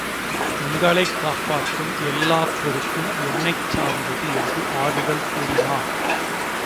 உங்களைக் காப்பாற்றும் எல்லா பொறுப்பும் என்னைச் சார்ந்தது என்று ஆறுதல் கூறினார்.